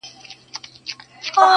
کرونا!!